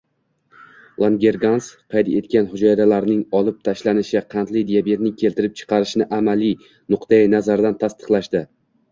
Langergans qayd etgan hujayralarning olib tashlanishi qandli diabetni keltirib chiqarishini amaliy nuqtai nazardan tasdiqlashdi